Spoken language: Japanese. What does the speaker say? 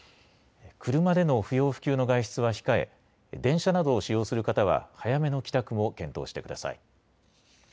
車での不要不急の外出は控え電車などを使用する方は早めの帰宅も検討してください。